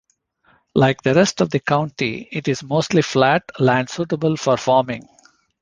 Like the rest of the county, it is mostly flat land suitable for farming.